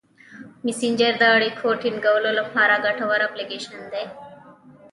مسېنجر د اړیکو ټینګولو لپاره ګټور اپلیکیشن دی.